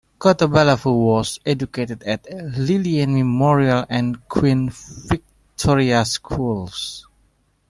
Kotobalavu was educated at Lelean Memorial and Queen Victoria Schools.